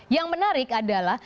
yang menarik adalah